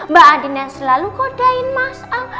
mbak andin yang selalu kodain mas al